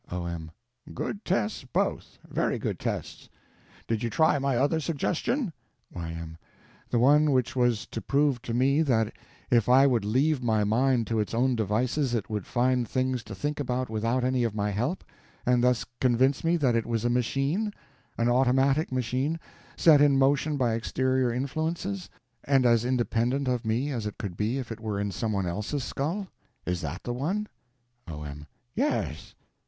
O.M. Good tests, both; very good tests. Did you try my other suggestion? Y.M. The one which was to prove to me that if I would leave my mind to its own devices it would find things to think about without any of my help, and thus convince me that it was a machine, an automatic machine, set in motion by exterior influences, and as independent of me as it could be if it were in some one else's skull. Is that the one? O.M. Yes.